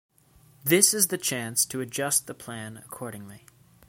This is the chance to adjust the plan accordingly.